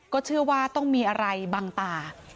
เชื่อว่าต้องมีอะไรบังตา